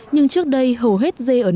nhưng trước đây hầu hết dê ở ninh